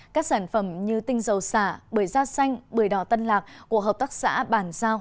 các sản phẩm như tinh dầu xả bưởi da xanh bưởi đỏ tân lạc của hợp tác xã bản giao